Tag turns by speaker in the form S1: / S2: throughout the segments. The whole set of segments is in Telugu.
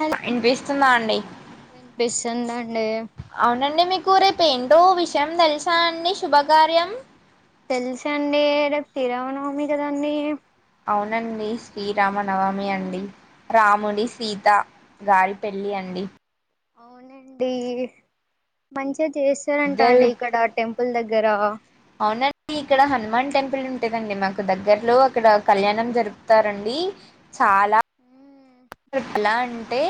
S1: హలో
S2: ఇన్పిస్తుందా అండి
S1: వినిపిస్తుందండి
S2: అవునండి మీ కూ రేపేంటో విషయం తెల్సా అండి శుభకార్యం
S1: తెల్సండి రేపు శ్రీ రామనవమి కదండి
S2: ఔనండ సీ రామ నవమి అండి
S1: మ్మ్
S2: రామున్ ది సీత గారి పెళ్ళి అండి
S1: ఔనండి మంచ్ తే
S2: ఇద్దరు
S1: చేస్తారంటండి ఇక్కడ టెంపుల్ దగ్గర
S2: అవునండి ఇక్కడ హనుమాన్ టెంపుల్ ఉంటదండి మాకు దగ్గర్లో ఇక్కడ కళ్యాణం జరుపుతారండి చాలా
S1: మ్మ్
S2: ఎట్లా అంటే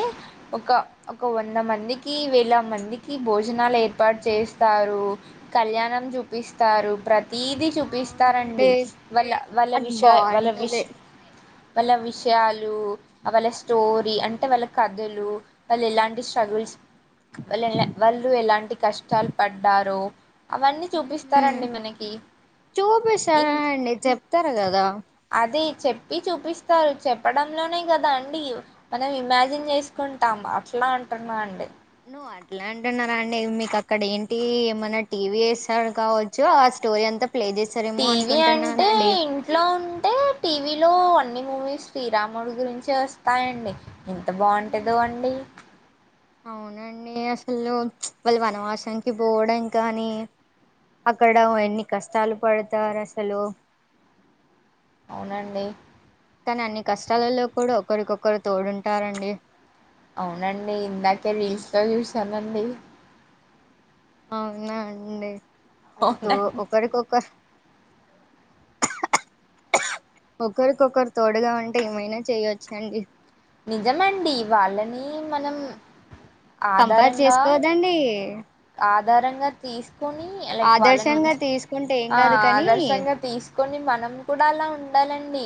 S2: ఒక ఒక వంద మందికి వేల మందికి భోజనాలు ఏర్పాటు చేస్తారు కళ్యాణం చూపిస్తారు ప్రతీది చూపిస్ తారండి
S1: అవునండి
S2: వాళ్ళ వాళ్ళ
S1: అది
S2: విష వాళ్ళ విష్
S1: బాగుంటది
S2: వాళ్ళ విషయాలు అ వాళ్ళ స్టోరీ అంటే వాళ్ళ కథలు వాళ్ళు ఎలాంటి స్ట్రగుల్స్ వాళ్ళు ఎలా వాళ్ళు ఎలాంటి కష్టాలు పడ్డారు
S1: మ్ చూపిస్తార
S2: ఇం
S1: అండి చెప్తారు గదా
S2: అదే చెప్పి చూపిస్తారు చెప్పడంలోనే గదా అండి మనం ఇమాజిన్ చేసుకుంటాం అట్లా అంటున్నా అండి
S1: అట్లా అంటున్నారా అండి మీకు అక్కడ ఏంటి ఏమైన్నా టీవీ ఎస్తాడు కావచ్చు ఆ స్టోరీ అంతా ప్లే చేస్తారేమో
S2: టీవీ అంటే
S1: అనుకుంటున్నానండి
S2: ఇంట్లో ఉంటే టీవీ లో అన్నీ మూవీస్ శ్రీరాముడి గురించే వస్తాయండి ఎంత బాగుంటదో
S1: ఉమ్
S2: అండి
S1: అ అసలు వాళ్ళు వనవాసానికి పోవడం కానీ అక్కడ ఎన్ని కష్టాలు పడతారు అసలు
S2: అవునండి
S1: కానీ అన్ని కష్టాలలో కూడ ఒకరికొకరు తోడుంటారండి
S2: అవునండి ఇందాకే రీల్స్లో చూసానండి
S1: అవునా అండి అదే తో
S2: అవునండి
S1: ఒకరికొకరు ఒకరికొకరు తోడుగా ఉంటే ఏమైనా చేయొచ్చు అండి
S2: నిజం మండి వాళ్ళని మనం
S1: ఉమ్, కంపేర్
S2: ఆధారంగా
S1: చేసుకోవద్దండి
S2: ఆధారంగా తీస్ కొని లైక్ వాళ్ళని
S1: ఆదర్శంగా
S2: మంచి
S1: తీసుకుంటే ఏం
S2: ఆ
S1: కాదు కానీ
S2: ఆదర్శంగా తీసుకొని మనం కూడా అలా ఉండాలని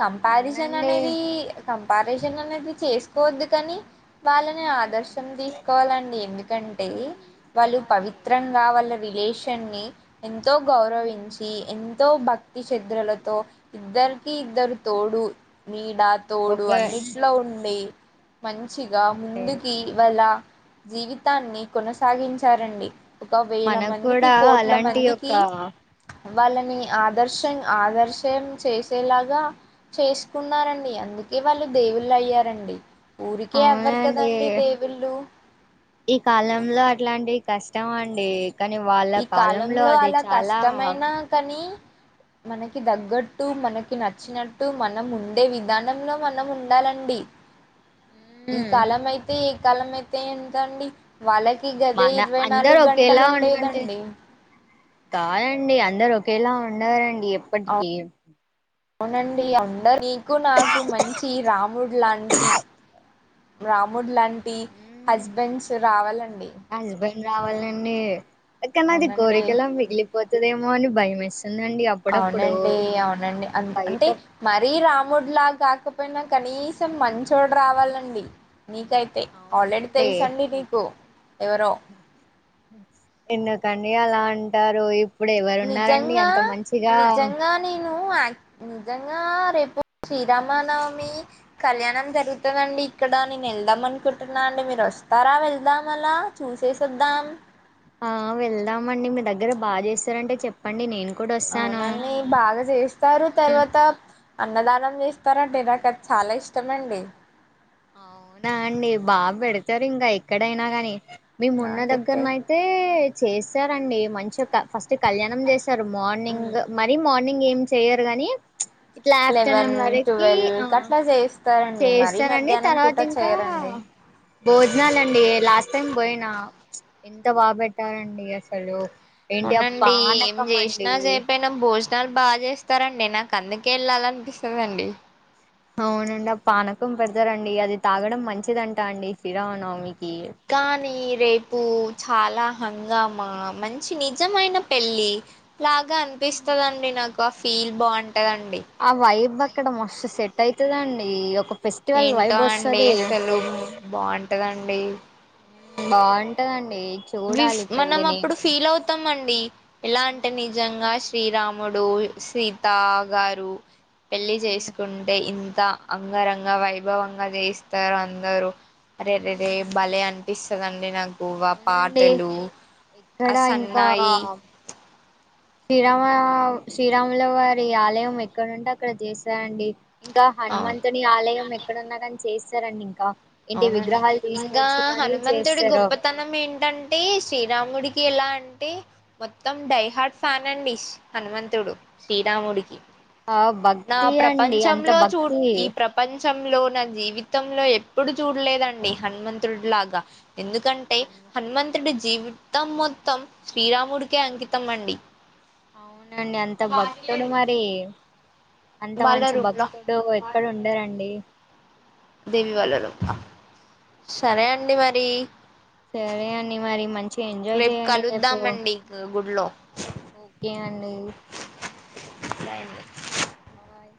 S2: కాన్ని కంపారిజన్
S1: అవునండి
S2: అనేది కంపారిజన్ అనేది చేసుకోవద్దు కానీ వాళ్ళని
S1: ఉమ్,
S2: ఆదర్శం తీసుకోవాలండి ఎందుకంటే వాళ్ళు
S1: తీసుకోవాలి
S2: పవిత్రంగా వా వీళ్ళ రిలేషన్ న్ని ఎంతో
S1: ఉమ్,
S2: గౌరవించి ఎన్ ఎంతో భక్తి శద్రలతో ఇద్దరికి ఇద్దరు తోడు మీ డా తోడు
S1: ఓకే
S2: అన్నిట్లో ఉండి మంచిగా
S1: అవునండి
S2: ముందుకి వెళ్ళ జీవితాన్ని కొనస సాగించారండి ఒక వేల
S1: మనకు
S2: మందికి
S1: కూడా
S2: కోట్ల
S1: అలాంటి ఒక
S2: మందికి వాళ్ళని ఆదర్శం ఆదర్శం చేసేలాగా చేసుకున్నారండి అందుకే వాళ్ళు దేవుళ్ళు అయ్యారండి ఊరికే అవ్వరు
S1: అవునండి
S2: కదండి దేవుళ్ళు
S1: ఈ కాలంలో అట్లాంటివి కష్టం అండి కానీ వాళ్ళ
S2: ఈ కాలంలో
S1: అది
S2: అలా
S1: చాలా
S2: కష్టమైన కానీ మనకి దగ్గట్టు మనకి నచ్చినట్టు మనం ఉండే విధానంలో మనం ఉండాలండి ఈ
S1: మ్మ్
S2: కాలం అయితే కాలం అయితే ఎంతండి వాళ్ళకి గదే
S1: మన
S2: ఇరవై
S1: అందరు
S2: నాలుగంటలు
S1: ఒకేలా
S2: ఉంటేదండి
S1: ఉండంటే కాదండి అందరు ఒక ఒకేలా ఉండారండి ఎప్పటికీ
S2: అవునండి అందరు ఎక్కు నాకు మంచి రాముడు లాంటి రాముడులాం
S1: హస్బెండ్ రావాలండి అక్క నాది
S2: అవునండి
S1: కోరికలా మిగిలిపోతుదేమో అని భయమే
S2: అవునండి అవునండి అ అంటే
S1: బయట
S2: మరీ రాముడులా గాక పో పోయినా కనీసం మంచోడు రావాలండి నీకైతే ఆల్రెడీ తెలుసండి నీకు ఎవరో
S1: ఎన్ను కం అలా అంటారు ఇప్పుడు ఎవరున్నారండి
S2: నిజంగా
S1: అంత మంచిగా
S2: నిజంగా నేను నిజంగా రేపు శ్రీరామనవమి కళ్యాణం జరుగుతదండి ఇక్కడ నేను వెళ్దాం అనుకుంటున్నా అండి మీరు వస్తారా వెళ్దాం అలా చూసేసద్దాం
S1: ఆ వెళ్దామండి మీ దగ్గర బాగా జేస్తారంటే చెప్పండి నేను కూడా వస్తాను
S2: అవునండి బాగా జేస్తారు
S1: మ్మ్.
S2: తర్వాత అన్నదానం జేస్తారండి నాకు అది చాలా ఇష్టం అండి
S1: అవునా అండి బాపెడతారు ఇంగఎక్కడైనా గాని మీ మొన్న
S2: నాకైతే
S1: దగ్గరన అయితే చేశారండి మంచుక ఫస్ట్ కళ్యాణం జేశారు మార్నింగ్ మరి మార్ని నింగ్ ఏం చెయ్యరు గాని ఇట్లా
S2: లేవెన్ టువెల్ కట్లా జేస్త
S1: చేస్తారండి తర్వాత ఇంకా
S2: చేయరండి
S1: భోజనాలండి లాస్ట్ టైం పోయిన ఎంత బాపెట్టారండి అసలు ఏంటి ఆ
S2: అవునండి ఏం
S1: పానకం అండి
S2: జేసినా చేయకపోయినా భోజనం ల్ బాగా చేస్తారండి నాకు అందుకే వెళ్ళాల అనిపిస్తుందండి
S1: అవునండి ఆ పానకం పెడతారండి అది తాగడం మంచిదంటా అండి శ్రీ రామానవమి
S2: కానీ రేపు చాలా హంగామా మంచి నిజమైన పెళ్ళి లాగా అనిపిస్తదండి నాకు బా ఫీల్ బాగుం
S1: ఆ వైబ్ అక్కడ మస్త్ సెట్ తైతదండి ఒక ఫెస్టివల్
S2: ఏంటో
S1: వైబ్
S2: అండి
S1: వస్తది
S2: అసలు బాగుంటదండి డి
S1: బాంటదండి
S2: విఫ్ఫ్ మనం అప్పుడు ఫీల్ అవుతాం అండి వీ ఎలా అంటే
S1: ఉమ్
S2: నిజంగా శ్రీరాముడు సీత గారు పెళ్లి
S1: ఉమ్,
S2: చేసుకుంటే ఇ త అంగరంగ వైభవంగా చేయిస్తారు అందరూ అరేరే రే
S1: ఉమ్,
S2: బలే అనీ ఇస్తదండి నాకు గోవా
S1: ఏండి ఇక్కడ ఇంకా
S2: సన్నాయి
S1: శ్రీరామ శ్రీరాముల వారి ఆలయం ఎక్కడంటే అక్కడ చేశారండి ఇంకా
S2: అవును
S1: హనుమంతుని ఆలయం ఎక్కడన్నా గానీ చేస్తారంండి ఇంకా ఏంటి
S2: అవునండి
S1: విగ్రహాలు
S2: ఇంకా
S1: తీసుకొచ్చి మరీ
S2: హనుమంతుడి
S1: చేస్తారు
S2: గొప్పతనం ఏంటంటే శ్రీరాముడికి ఎలా అంటే మొత్తం డై హార్ట్ ఫ్యాన్ అండి హనుమంతుడు శ్రీరాముడికి
S1: ఆ
S2: నా
S1: భక్తి అండి అంత భక్తి
S2: ంచ లో నా జీవితంలో ఎప్పుడు చూడలేదండి హనుమంతుడి లాగా ఎందుకంటే హనుమంతుడి జీవితం మొత్తం శ్రీరాముడికే అంకితం అండి
S1: అవునండి అంత భక్తుడు మరి అంత
S2: వాళ్ళ
S1: మంచి
S2: రూమ్లా
S1: భక్తుడు ఎక్కడ ఉండారంండి
S2: దేవి వాళ్ళ రూమ్ లా సరే అండి మరి
S1: సరే అండి మరి మంచి ఎంజాయ్
S2: రేపు
S1: చేయండి రేపు
S2: కలుద్దామండి గుడిలో
S1: ఓకే అండి
S2: రైట్
S1: బాయ్